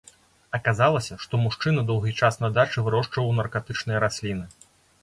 Аказалася, што мужчына доўгі час на дачы вырошчваў наркатычныя расліны.